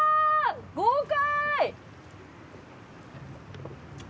豪快！！